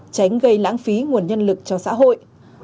tránh gây lãng phí nguồn nhân lực cho xã hội